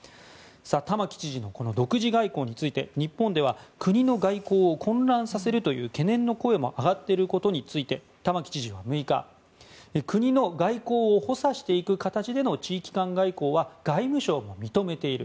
玉城知事の独自外交について日本では国の外交を混乱させるという懸念の声も上がっていることについて玉城知事は６日国の外交を補佐していく形での地域間外交は外務省も認めている。